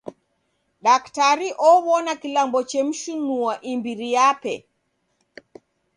Daktari ow'ona kilambo chemshinua imbiri yape.